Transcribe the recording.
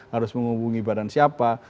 harus menghubungi badan siapa